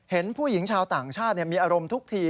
เห็นผู้หญิงชาวต่างชาติมีอารมณ์ทุกที